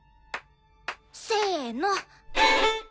せの！